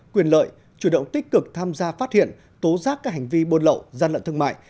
quyền lợi chủ động tích cực tham gia phát hiện tố giác các hành vi buôn lậu gian lận thương mại